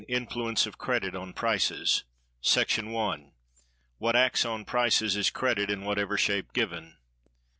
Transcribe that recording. Influence Of Credit On Prices. § 1. What acts on prices is Credit, in whatever shape given.